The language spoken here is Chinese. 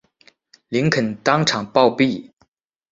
林肯当场暴毙。